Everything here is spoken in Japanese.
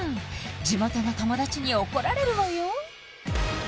地元の友達に怒られるわよ